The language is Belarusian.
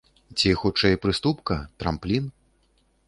Ці хутчэй прыступка, трамплін?